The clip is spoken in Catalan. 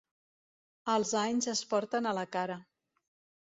Els anys es porten a la cara.